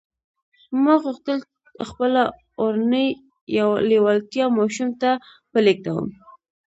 ما غوښتل خپله اورنۍ لېوالتیا ماشوم ته ولېږدوم